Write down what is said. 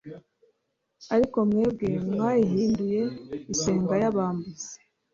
ariko mwebwe mwayihinduye isenga y’abambuzi.”